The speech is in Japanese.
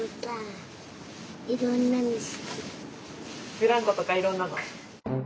ブランコとかいろんなの？